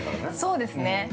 ◆そうですね。